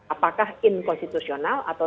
apakah inkonstitusional atau